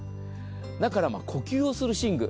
だから呼吸をする寝具。